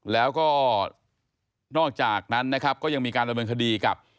แล้วก็นอกจากนั้นก็ยังมีการระเบินคดีกับ